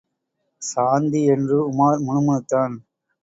சாந்தி! என்று உமார் முணுமுணுத்தான்.